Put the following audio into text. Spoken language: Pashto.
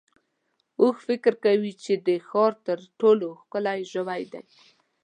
اوښ فکر کوي چې د ښار تر ټولو ښکلی ژوی دی.